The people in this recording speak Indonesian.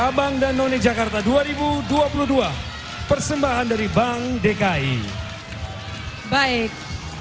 abang dan none jakarta dua ribu dua puluh dua persembahan dari bank dki baik